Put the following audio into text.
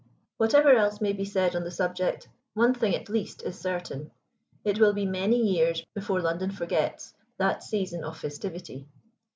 Whatever else may be said on the subject, one thing at least is certain it will be many years before London forgets that season of festivity.